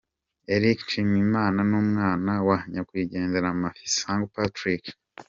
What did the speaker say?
Eric Nshimiyimana n'umwana wa Nyakwigendera Mafisango Patrick.